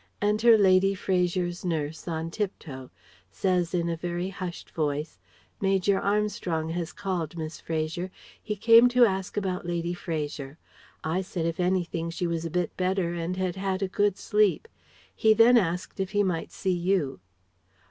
Enter Lady Fraser's nurse on tiptoe. Says in a very hushed voice "Major Armstrong has called, Miss Fraser. He came to ask about Lady Fraser. I said if anything she was a bit better and had had a good sleep. He then asked if he might see you."